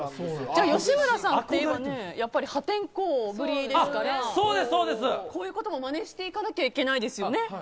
吉村さんってやっぱり破天荒ぶりですからこういうこともまねしていかなきゃいけないですよね。